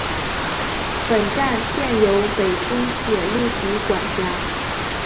本站现由北京铁路局管辖。